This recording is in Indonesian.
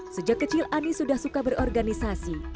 sejak kecil ani sudah suka berorganisasi